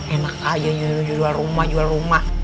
enak aja jual rumah jual rumah